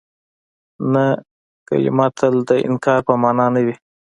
نه کلمه تل د انکار په مانا نه وي.